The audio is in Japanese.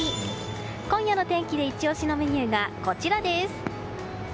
今夜のお天気でイチ押しのメニューが、こちらです。